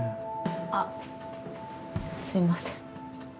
あっすいません。